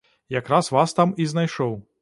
Якраз вас там і знайшоў.